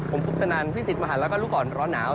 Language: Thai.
ผมพุทธนันทร์พี่สิทธิ์มหาลแล้วก็ลูกอ่อนร้อนหนาว